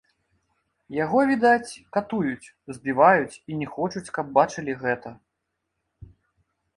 Яго, відаць, катуюць, збіваюць і не хочуць, каб бачылі гэта.